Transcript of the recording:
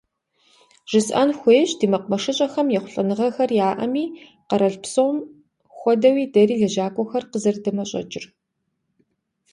Жысӏэн хуейщ, ди мэкъумэшыщӏэхэм ехъулӏэныгъэхэр яӏэми, къэрал псом хуэдэуи, дэри лэжьакӏуэхэр къызэрыдэмэщӏэкӏыр.